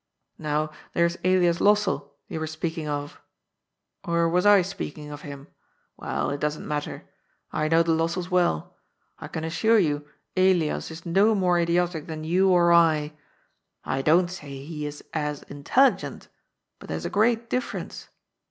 Now there's Elias Lossell, you were speaking of — or was I speaking of him ? Well, it doesn't matter — I know the Lossells well. I can assure you Elias is no more idiotic than you or I. I don't say he is as intel ligent — ^but there's a great difference.